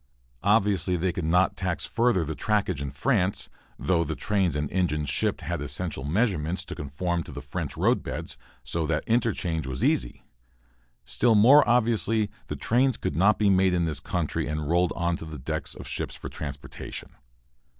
Obviously, they could not tax further the trackage in France, though the trains and engines shipped had essential measurements to conform to the French road beds, so that interchange was easy. Still more obviously, the trains could not be made in this country and rolled onto the decks of ships for transportation.